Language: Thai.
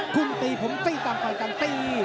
คุณตีผมตี้ต่ำไปกันตี